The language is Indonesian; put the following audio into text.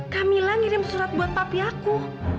kamila ngirim surat buat papi aku